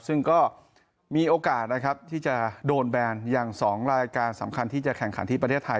ซึ่งก็มีโอกาสนะครับที่จะโดนแบนอย่าง๒รายการสำคัญที่จะแข่งขันที่ประเทศไทย